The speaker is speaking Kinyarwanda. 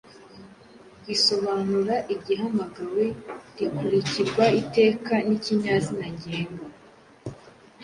risobanura igihamagawe rikurikirwa iteka n’ikinyazina ngenga